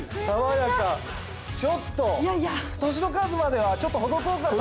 ちょっと年の数まではちょっと程遠かったですけども。